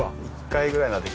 １回ぐらいなら。